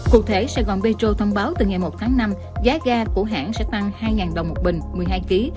cụ thể sài gòn petro thông báo từ ngày một tháng năm giá ga của hãng sẽ tăng hai đồng một bình một mươi hai kg